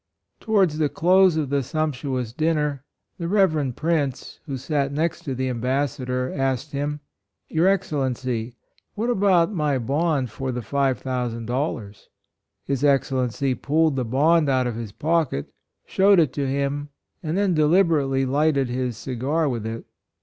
Towards the close of the sumptuous dinner, the Reverend VIRTUES. 103 Prince, who sat next to the Ambas sador, asked him :" Your Excel lency, what about my bond for the . p $5,000?" His Excellency pulled J^Tt the bond out of his pocket, showed it «*» 9 ~^ to him and then deliberately lighted his segar with it.